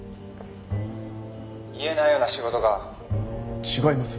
「言えないような仕事か」違います。